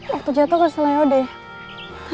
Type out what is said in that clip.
waktu jatuh kesel yaudah ya